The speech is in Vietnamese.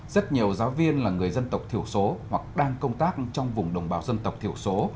rất nhiều giáo viên là người dân tộc thiểu số hoặc đang công tác trong vùng đồng bào dân tộc thiểu số